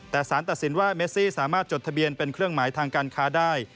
แต่สารตัดสินว่าเมซี่สามารถจดทะเบียนเป็นเครื่องหมายทางการค้าได้